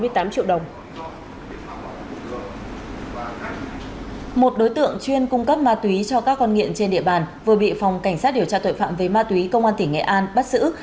một đối tượng chuyên cung cấp ma túy cho các con nghiện trên địa bàn vừa bị phòng cảnh sát điều tra tội phạm về ma túy công an tỉnh nghệ an bắt giữ